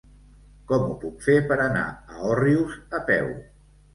Com ho puc fer per anar a Òrrius a peu?